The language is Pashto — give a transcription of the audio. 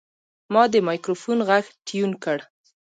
ما د مایکروفون غږ ټیون کړ.